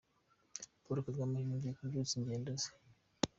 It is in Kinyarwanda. Paul Kagame yongeye kubyutsa ingendo ze.